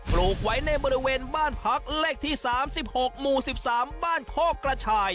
ลูกไว้ในบริเวณบ้านพักเลขที่๓๖หมู่๑๓บ้านโคกกระชาย